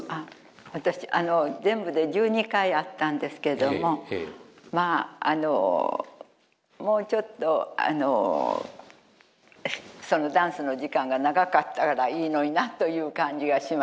私あの全部で１２回あったんですけどもまああのもうちょっとあのそのダンスの時間が長かったらいいのになという感じがしました。